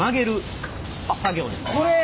これ！